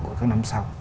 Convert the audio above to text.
của các năm sau